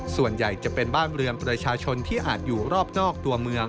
ส่วนใหญ่จะเป็นบ้านเรือนประชาชนที่อาจอยู่รอบนอกตัวเมือง